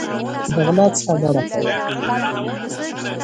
د غلا څخه ډډه کول